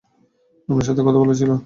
আপনার সাথে কথা বলার ছিলো।